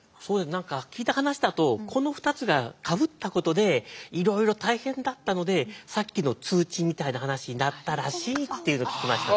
何か聞いた話だとこの２つがかぶったことでいろいろ大変だったのでさっきの通知みたいな話になったらしいっていうのを聞きました。